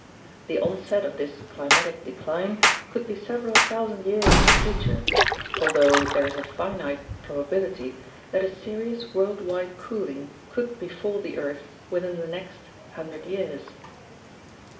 The onset of this climatic de cline could be several thousand years in the future, although there is a finite probability that a serious worldwide cooling could befall the earth within the next hundred years.